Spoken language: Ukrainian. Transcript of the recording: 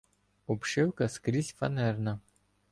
Обшивка скрізь фанерна.